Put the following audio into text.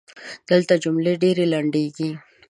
دلته جملې ډېري لنډیږي.